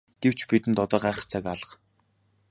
Гэвч бидэнд одоо гайхах цаг алга.